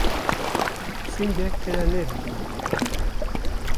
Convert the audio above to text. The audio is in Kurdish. -- Pisingek tê de nebit?